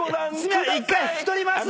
１回引き取ります！